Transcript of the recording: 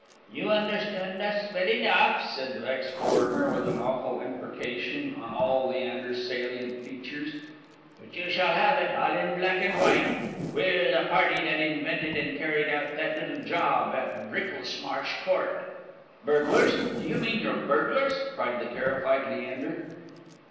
"You understand us well enough," said the ex foreigner, with an awful imprecation on all Leander's salient features; "but you shall have it all in black and white. We're the party that invented and carried out that little job at Wricklesmarsh Court." "Burglars! Do you mean you're burglars?" cried the terrified Leander.